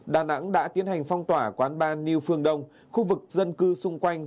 đà nẵng đã tiến hành phong tỏa quán ban niu phương đông khu vực dân cư xung quanh